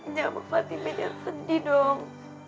nyamuk fatime nya sedih dong